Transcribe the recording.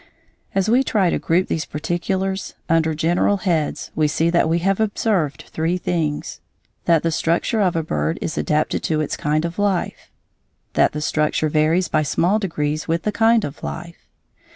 As we try to group these particulars under general heads, we see that we have observed three things: That the structure of a bird is adapted to its kind of life. _That the structure varies by small degrees with the kind of life.